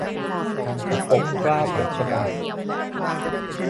ปกเกล้าปกกระหม่อม